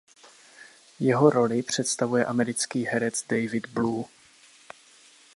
Jeho roli představuje americký herec David Blue.